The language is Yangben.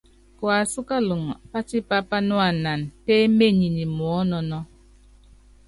Kuasú kaluŋɔ, patipá panuanan pééminenyi muɔ́nɔnɔ́.